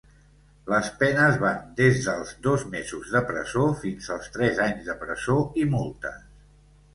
Les penes van des dels dos mesos de presó fins als tres anys de presó i multes.